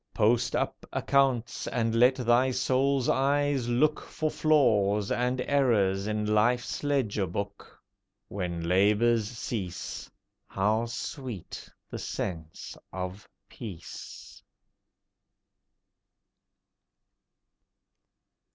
Post up accounts, and let thy Soul's eyes look For flaws and errors in Life's ledger book. When labours cease, How sweet the sense of peace!